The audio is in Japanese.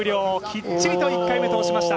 きっちりと通しました。